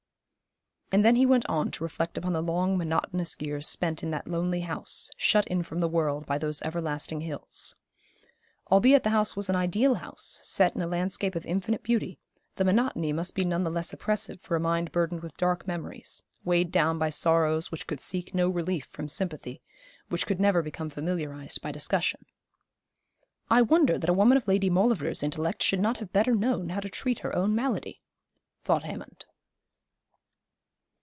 And then he went on to reflect upon the long monotonous years spent in that lonely house, shut in from the world by those everlasting hills. Albeit the house was an ideal house, set in a landscape of infinite beauty, the monotony must be none the less oppressive for a mind burdened with dark memories, weighed down by sorrows which could seek no relief from sympathy, which could never become familiarised by discussion. 'I wonder that a woman of Lady Maulevrier's intellect should not have better known how to treat her own malady,' thought Hammond.